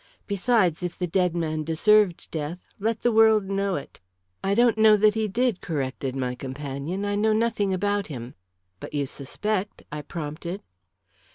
Besides, if the dead man deserved death, let the world know it." "I don't know that he did," corrected my companion; "I know nothing about him." "But you suspect?" I prompted.